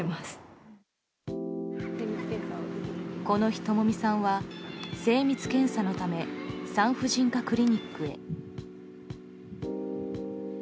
この日、ともみさんは精密検査のため産婦人科クリニックへ。